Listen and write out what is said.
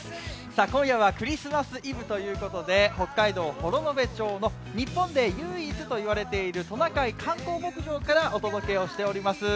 今夜はクリスマスイブということで、北海道幌延町の日本で唯一といわれているトナカイ観光牧場からお届けしております。